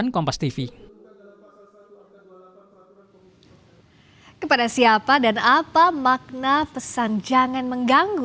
kompas tv kepada siapa dan apa makna pesan jangan mengganggu